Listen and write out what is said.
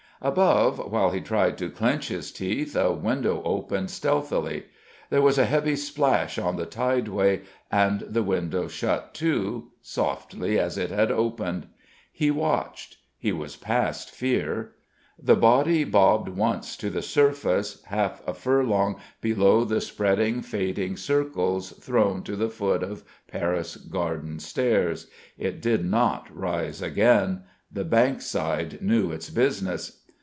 Above, while he tried to clench his teeth, a window opened stealthily. There was a heavy splash on the tideway, and the window shut to, softly as it had opened. He watched. He was past fear. The body bobbed once to the surface, half a furlong below the spreading, fading circles thrown to the foot of Paris Garden Stairs. It did not rise again. The Bankside knew its business.